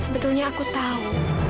sebetulnya aku tahu